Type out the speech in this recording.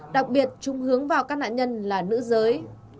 đặc biệt chúng hướng vào các nạn nhân là nữ giới